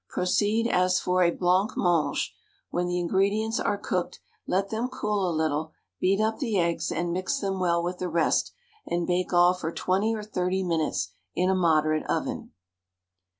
Proceed as for a blancmange; when the ingredients are cooked, let them cool a little, beat up the eggs, and mix them well with the rest, and bake all for 20 or 30 minutes in a moderate oven.